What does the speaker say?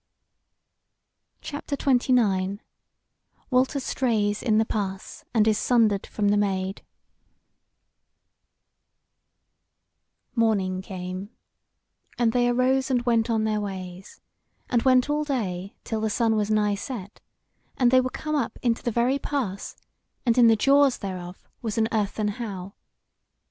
CHAPTER XXIX: WALTER STRAYS IN THE PASS AND IS SUNDERED FROM THE MAID Morning came, and they arose and went on their ways, and went all day till the sun was nigh set, and they were come up into the very pass; and in the jaws thereof was an earthen howe.